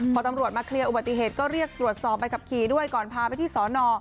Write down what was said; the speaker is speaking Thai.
พอตำรวจมาเคลียร์อุบัติเหตุก็เรียกตรวจสอบใบขับขี่ด้วยก่อนพาไปที่สอนอ